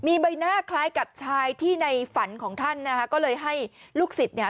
มีใบหน้าคล้ายกับชายที่ในฝันของท่านนะคะก็เลยให้ลูกศิษย์เนี่ย